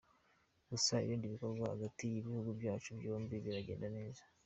Gusa ibindi bikorwa hagati y’ibihugu byacu byombi biragenda neza.